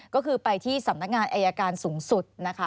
ก็คือไปที่สำนักงานอายการสูงสุดนะคะ